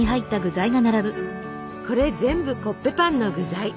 これ全部コッペパンの具材。